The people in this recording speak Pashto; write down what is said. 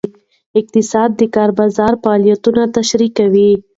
اقتصاد د کار بازار فعالیتونه تشریح کوي.